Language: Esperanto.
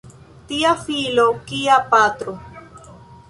Tia filo kia patro!